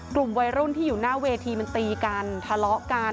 กลุ่มวัยรุ่นที่อยู่หน้าเวทีมันตีกันทะเลาะกัน